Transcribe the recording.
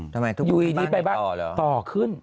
ทำไมทุกคู่คะบ้านอีบอยน์ขึ้นต่อหรือ